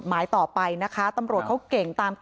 ไม่อยากให้ต้องมีการศูนย์เสียกับผมอีก